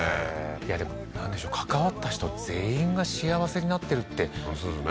いやでもなんでしょう関わった人全員が幸せになってるって本当そうですね